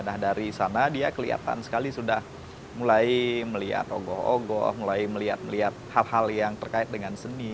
nah dari sana dia kelihatan sekali sudah mulai melihat ogoh ogoh mulai melihat melihat hal hal yang terkait dengan seni